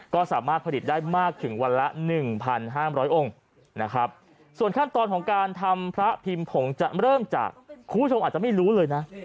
ก็สามารถผลิตได้มากถึงวันละ๑๕๐๐องค์นะครับส่วนขั้นตอนของการทำพระพิมพ์ผงจะเริ่มจากคุณผู้ชมอาจจะไม่รู้เลยนะ